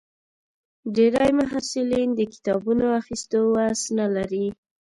ډېری محصلین د کتابونو اخیستو وس نه لري.